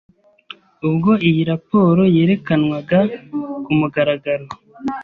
ubwo iyi raporo yerekanwaga ku mugaragaro